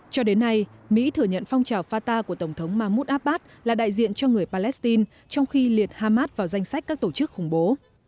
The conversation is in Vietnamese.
cho đến nay mỹ thừa nhận phong trào fata của tổng thống mahmoud abbas là đại diện cho người palestine trong khi liệt hamas vào danh sách các tổ chức khủng bố